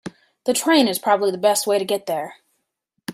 The train is probably the best way to get there.